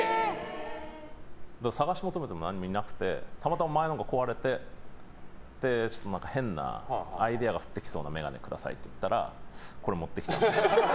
探し求めても周りになくてたまたま前のが壊れて変なアイデアが降ってきそうな眼鏡くださいって言ったらこれを持ってきてくれて。